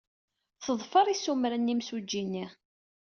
Teḍfer issumren n yimsujji-nni.